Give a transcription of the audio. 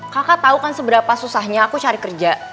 kakak tahu kan seberapa susahnya aku cari kerja